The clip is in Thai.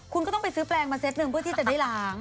คุณก็ต้องไปซื้อแปลงมาเซ็ตหนึ่งเพื่อที่จะได้ล้าง